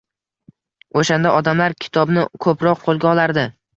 O`shanda odamlar kitobni ko`proq qo`lga olardi